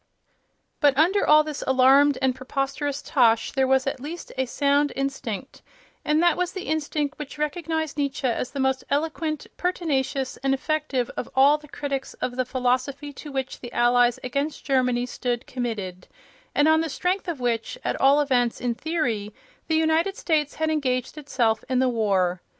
But under all this alarmed and preposterous tosh there was at least a sound instinct, and that was the instinct which recognized Nietzsche as the most eloquent, pertinacious and effective of all the critics of the philosophy to which the Allies against Germany stood committed, and on the strength of which, at all events in theory, the United States had engaged itself in the war.